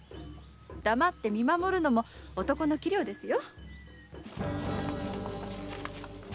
黙って見守るのも男の器量ですよ。